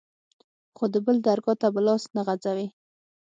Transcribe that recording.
خو د بل درګا ته به لاس نه غځوې.